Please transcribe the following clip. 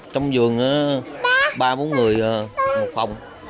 trong giường ba bốn người một phòng